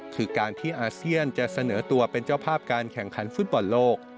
คือการที่อาเซียนจะเสนอตัวเป็นเจ้าภาพการแข่งขันฟุตบอลโลก